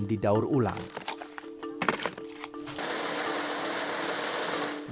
dan dibersihkan segera